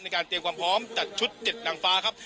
ในการเตรียมความพร้อมจัดชุดเจ็ดนางฟ้าครับ